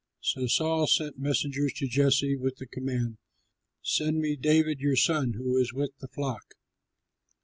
So Saul sent messengers to Jesse with the command, "Send me David your son, who is with the flock."